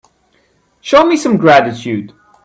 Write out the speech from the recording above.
Show me some gratitude.